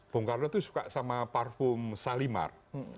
bung karno itu suka sama parfum salimar